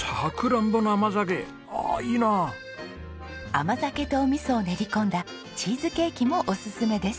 甘酒とお味噌を練り込んだチーズケーキもおすすめです。